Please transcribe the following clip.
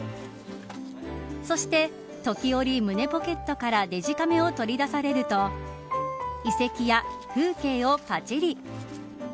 そして、時折胸ポケットからデジカメを取り出されると遺跡や風景をパチリ。